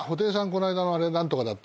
この間のあれ何とかだった」